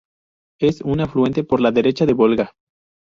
Es un afluente por la derecha del Volga.